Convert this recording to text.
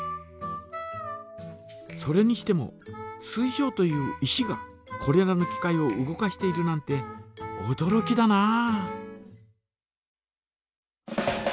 それにしても水晶という石がこれらの機械を動かしているなんておどろきだなあ。